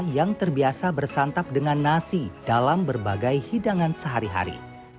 yang terbiasa bersantap dengan nasi dalam berbagai hidangan sehari hari